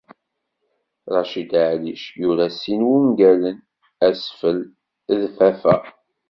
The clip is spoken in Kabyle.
Racid Ɛellic yura sin n wungalen: "Asfel", d "Faffa".